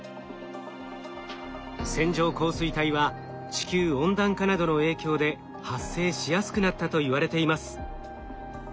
線状降水帯は地球温暖化などの影響で発生しやすくなったといわれています。